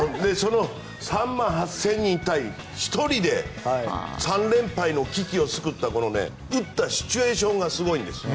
３万８０００人対１人で３連敗の危機を救った打ったシチュエーションがすごいんです。